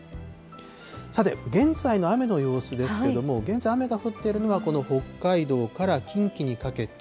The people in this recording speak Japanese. さて、現在の雨の様子ですけれども、現在、雨が降っているのはこの北海道から近畿にかけて。